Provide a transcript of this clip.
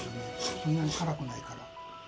そんなにからくないから。